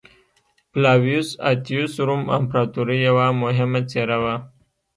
فلاویوس اتیوس روم امپراتورۍ یوه مهمه څېره وه